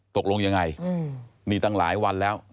ตกลงยังไงนี่ตั้งหลายวันแล้ว